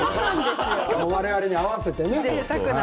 しかも我々に合わせてね。